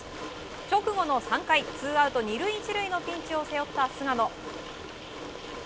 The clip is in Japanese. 直後の３回、ツーアウト２塁１塁のピンチを背負った菅野。